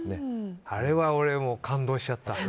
あれは俺、感動しちゃった。